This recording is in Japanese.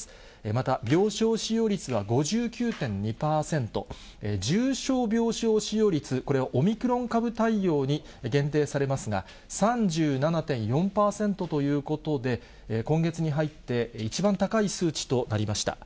また病床使用率は５９．２％、重症病床使用率、これはオミクロン株対応に限定されますが、３７．４％ということで、今月に入って一番高い数値となりました。